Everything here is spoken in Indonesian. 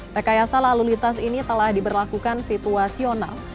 rekayasa lalu lintas ini telah diberlakukan situasional